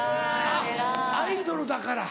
あっアイドルだから。